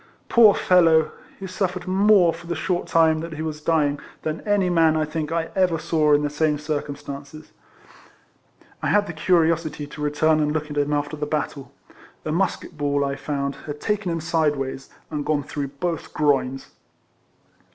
Poor fellow ! he suffered more for the short time that he was dying, than any man I think I ever saw in the same circumstances. RIFLEMAN HARRIS. 35 I had the curiosity to return and look at him after the battle. A musket ball, I found, had taken him sideways, and gone through both groins.